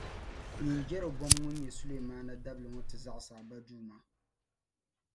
nyin’ Jɛrɔbɔam ŋun nyɛ Sulemaana dabili ŋɔ ti zaɣisi a ba duuma.